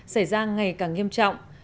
xảy ra ngày càng nghiêm trọng